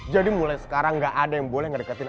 jadi mulai sekarang gak ada yang boleh ngedeketin